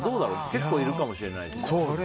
結構いるかもしれないし。